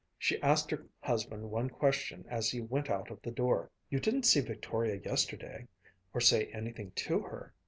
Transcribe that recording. She asked her husband one question as he went out of the door. "You didn't see Victoria yesterday or say anything to her?"